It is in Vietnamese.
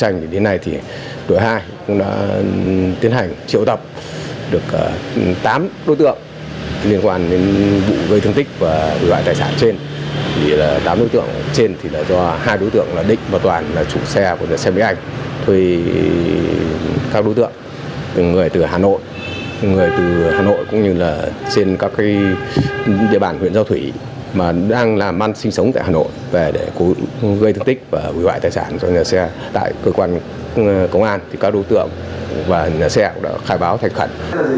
người từ hà nội cũng như là trên các cái địa bàn huyện giao thủy mà đang làm ăn sinh sống tại hà nội để gây thương tích và hủy hoại tài sản cho nhà xe tại cơ quan công an thì các đối tượng và nhà xe đã khai báo thành khẩn